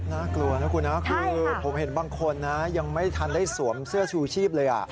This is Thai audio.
น่ากลัวนะคุณนะคือผมเห็นบางคนนะยังไม่ทันได้สวมเสื้อชูชีพเลย